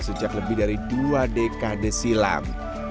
sejak lebih dari dua dekade silam